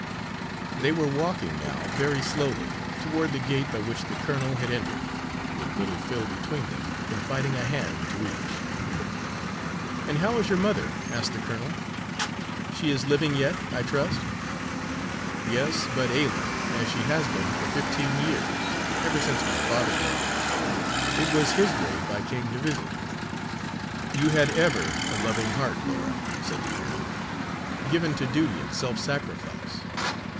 They were walking now, very slowly, toward the gate by which the colonel had entered, with little Phil between them, confiding a hand to each. "And how is your mother?" asked the colonel. "She is living yet, I trust?" "Yes, but ailing, as she has been for fifteen years ever since my father died. It was his grave I came to visit." "You had ever a loving heart, Laura," said the colonel, "given to duty and self sacrifice.